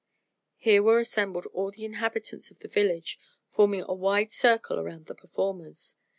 Here were assembled all the inhabitants of the village, forming a wide circle around the performers.